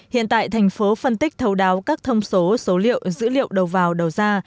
hiện tại thành phố phân tích thấu đáo các thông số số liệu dữ liệu đầu vào đầu ra